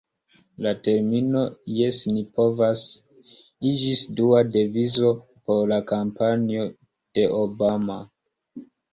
La termino "Jes ni povas" iĝis dua devizo por la kampanjo de Obama.